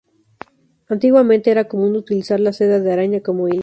Antiguamente era común utilizar la seda de araña como hilo.